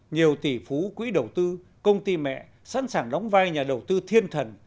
nhiều tỷ phú quỹ đầu tư công ty mẹ sẵn sàng đóng vai nhà đầu tư thiên thần